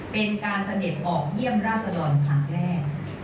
เป็นการเสด็จออกเยี่ยมราชดรครั้งแรก